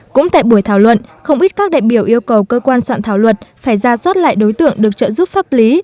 cũng tại buổi thảo luận không ít các đại biểu yêu cầu cơ quan soạn thảo luật phải ra soát lại đối tượng được trợ giúp pháp lý